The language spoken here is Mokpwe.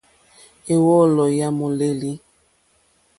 Éwòló yá mòlêlì.